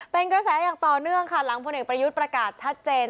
เป็นกระแสอย่างต่อเนื่องค่ะหลังพลเอกประยุทธ์ประกาศชัดเจน